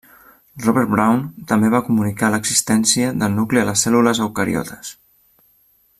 Robert Brown també va comunicar l'existència del nucli a les cèl·lules eucariotes.